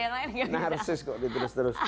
yang lain gak bisa narsis kok diturus turus